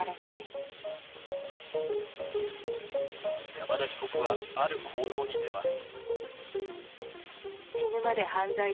山田被告は、ある行動に出ます。